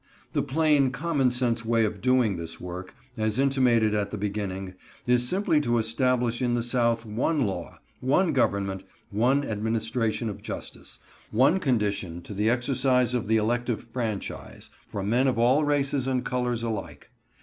The plain, common sense way of doing this work, as intimated at the beginning, is simply to establish in the South one law, one government, one administration of justice, one condition to the exercise of the elective franchise, for men of all races and colors alike.